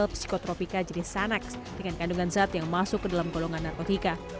jad psikotropika jadi sanex dengan kandungan zat yang masuk ke dalam golongan narkotika